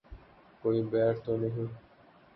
کوئی بیر تو نہیں